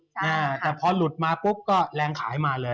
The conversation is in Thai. แต่พอหลุดมาปุ๊บก็แรงขายมาเลย